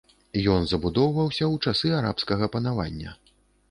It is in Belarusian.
Ён забудоўваўся ў часы арабскага панавання.